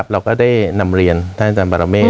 เราก็ได้นำเรียนท่านจันบรรเมฆ